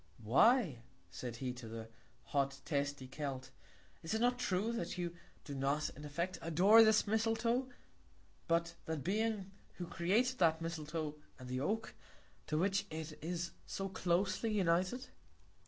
Why said he to the hot, testy Celt, is it not true, that you do not in effect adore this Misletoe, but that Being who created that Misletoe and the Oak, to which it is so closely united?